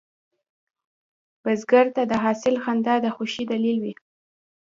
بزګر ته د حاصل خندا د خوښې دلیل وي